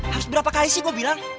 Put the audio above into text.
harus berapa kali sih gue bilang